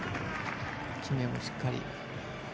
決めもしっかり。